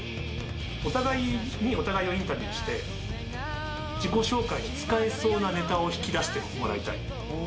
お互いにお互いをインタビューして、自己紹介で使えそうなネタを引き出してもらいたい。